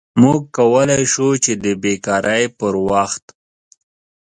موږ کولی شو چې د بیکارۍ پر وخت